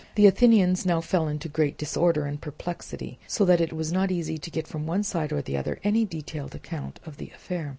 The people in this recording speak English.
The Athenians now fell into great disorder and perplexity, so that it was not easy to get from one side or the other any detailed account of the affair.